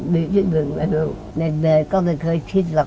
ดีจริงไม่เคยคิดหรอก